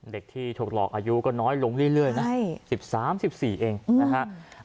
เด็กที่ถูกหลอกอายุก็น้อยลงเรื่อยนะ๑๓๑๔เองนะฮะ